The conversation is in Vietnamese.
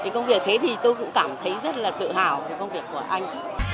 công việc thế thì tôi cũng cảm thấy rất là tự hào về công việc của anh